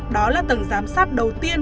đó là tầng giám sát đầu tiên